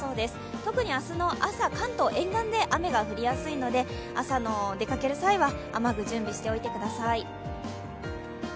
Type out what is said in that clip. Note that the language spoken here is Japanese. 特に明日の朝、関東沿岸で雨が降りやすいので朝出かける際は雨具を準備しておいてください。